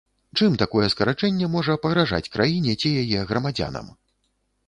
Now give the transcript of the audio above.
Чым такое скарачэнне можа пагражаць краіне ці яе грамадзянам?